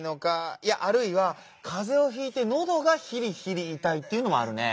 いやあるいはかぜをひいて「のどがひりひりいたい」っていうのもあるねぇ。